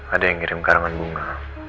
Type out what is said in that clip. ada yang ngirim karangan bunga